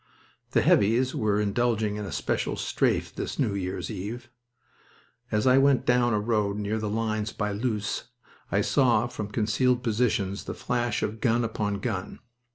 The "heavies" were indulging in a special strafe this New Year's eve. As I went down a road near the lines by Loos I saw, from concealed positions, the flash of gun upon gun.